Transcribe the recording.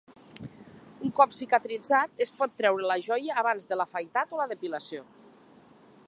Un cop cicatritzat, es pot treure la joia abans de l'afaitat o la depilació.